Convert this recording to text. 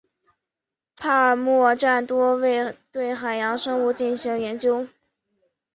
帕尔默站多为对海洋生物进行研究。